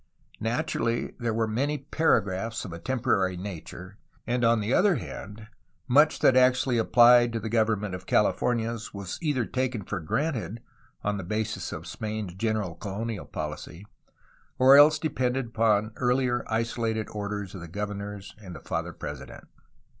Naturally there were many paragraphs of a temporary nature, and on the other hand much that actually applied to the government of the Cali fornias wasjeither taken for granted (on the basis of Spain's general colonial policy) or else depended upon earlier isolated orders to the governors and the Father President.